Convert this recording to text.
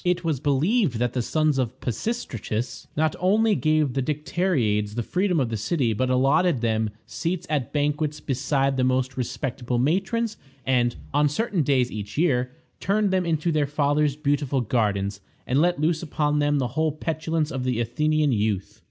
It was believed that the sons of Pisistratus not only gave to the Dicteriades the freedom of the city, but allotted to them seats at banquets beside the most respectable matrons, and, on certain days each year, turned them into their father's beautiful gardens, and let loose upon them the whole petulance of the Athenian youth.